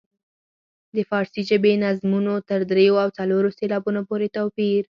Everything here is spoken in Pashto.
د فارسي ژبې نظمونو تر دریو او څلورو سېلابونو پورې توپیر.